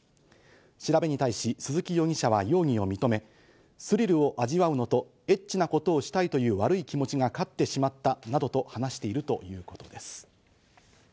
調べに対し鈴木容疑者は容疑を認め、スリルを味わうのと、エッチなことをしたいという悪い気持ちが勝ってしまったなどと話しているということです。